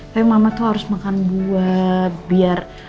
tapi mama tuh harus makan buah biar